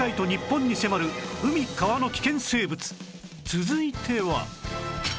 続いては